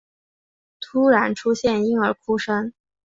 突然出现婴儿哭声